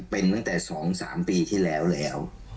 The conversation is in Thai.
เป็นตั้งแต่๒๓ปีที่แล้วแล้ว